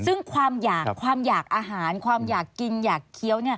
ซึ่งความอยากความอยากอาหารความอยากกินอยากเคี้ยว